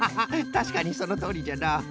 たしかにそのとおりじゃな！